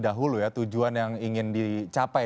dahulu ya tujuan yang ingin dicapai